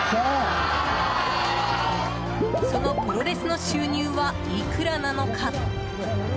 そのプロレスの収入はいくらなのか。